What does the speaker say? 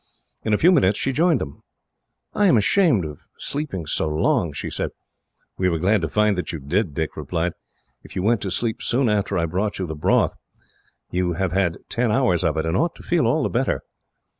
In a few minutes she joined them. "I am ashamed at sleeping so long," she said. "We were glad to find that you did," Dick replied. "If you went to sleep soon after I brought you the broth, you have had ten hours of it, and ought to feel all the better."